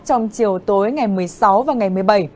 trong chiều tối ngày một mươi sáu và ngày một mươi bảy